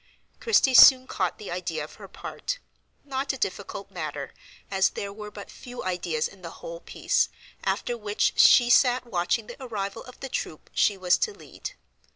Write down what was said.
Christie soon caught the idea of her part,—not a difficult matter, as there were but few ideas in the whole piece, after which she sat watching the arrival of the troop she was to lead.